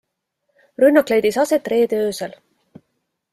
Rünnak leidis aset reede öösel.